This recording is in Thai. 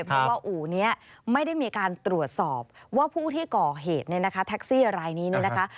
เพราะว่าอู่นี้ไม่ได้มีการตรวจสอบว่าผู้ที่เกาะเหตุในแท็กซี่รายนี้นะคะ